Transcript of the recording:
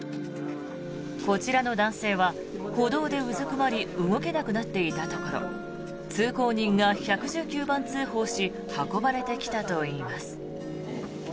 こちらの男性は歩道でうずくまり動けなくなっていたところ通行人が１１９番通報し運ばれてきたといいます。